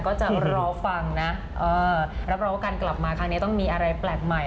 ก็จะรอฟังนะรับรองว่าการกลับมาครั้งนี้ต้องมีอะไรแปลกใหม่